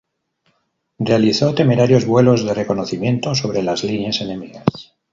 Realizó temerarios vuelos de reconocimiento sobre las líneas enemigas.